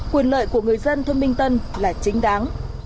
quyền lợi của người dân thôn minh tân là chính đáng